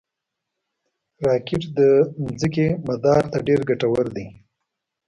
راکټ د ځمکې مدار ته ډېر ګټور دي